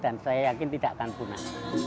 dan saya yakin tidak akan punah